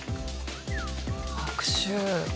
拍手。